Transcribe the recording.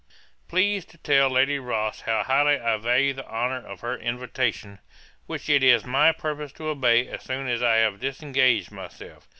'Please to tell Lady Rothes how highly I value the honour of her invitation, which it is my purpose to obey as soon as I have disengaged myself.